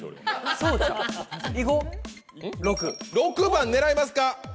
６番狙いますか？